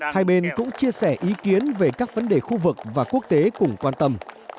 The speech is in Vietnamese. hai bên cũng chia sẻ ý kiến về các vấn đề khu vực và quốc tế cùng quan tâm